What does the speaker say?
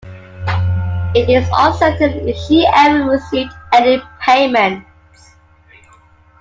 It is uncertain if she ever received any payments.